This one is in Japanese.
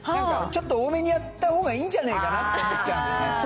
ちょっと多めにやったほうがいいんじゃねえかなって思っちゃう。